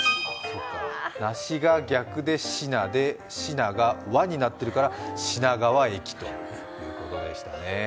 梨が逆で、しなで、しなが輪になってるから、品川駅ということでしたね。